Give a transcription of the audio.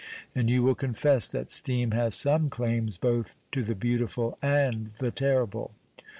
and you will confess that steam has some claims both to the beautiful and the terrible.